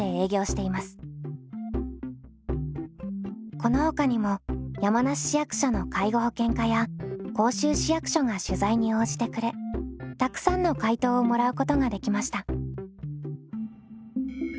このほかにも山梨市役所の介護保険課や甲州市役所が取材に応じてくれたくさんの回答をもらうことができました。